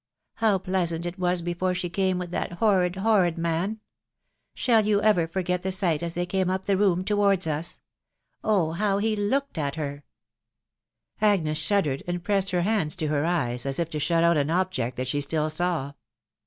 ... How pleasant it before she came with'fhat horrid, "horrid man ! tiWl yon forget the sight as they •eame up thewoomtowav^sims?^ ,♦,... Oh ! how he looked at her !•" Agnes shudderfd, and pressed her hands toiherrejrea, aa if to shut out an object that she tttilLsaw.